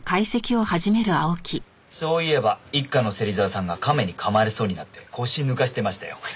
そういえば一課の芹沢さんがカメに噛まれそうになって腰抜かしてましたよ。